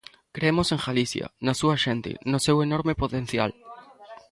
Cremos en Galicia, na súa xente, no seu enorme potencial.